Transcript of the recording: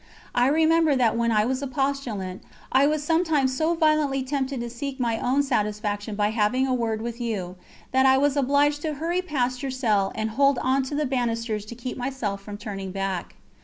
I remember that when I was a postulant I was sometimes so violently tempted to seek my own satisfaction by having a word with you, that I was obliged to hurry past your cell and hold on to the banisters to keep myself from turning back.